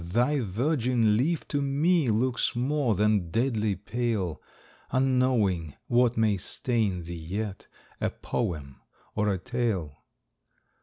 thy virgin leaf To me looks more than deadly pale, Unknowing what may stain thee yet, A poem or a tale.